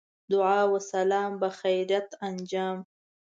دعا و سلام بخیریت انجام.